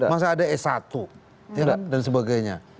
masa ada s satu dan sebagainya